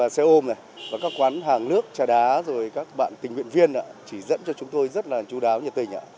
xe ôm và các quán hàng nước trà đá rồi các bạn tình nguyện viên chỉ dẫn cho chúng tôi rất là chú đáo nhiệt tình